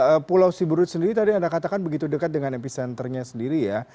kalau pulau siburut sendiri tadi anda katakan begitu dekat dengan epicenternya sendiri ya